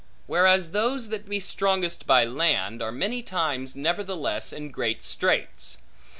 Whereas those that be strongest by land, are many times nevertheless in great straits.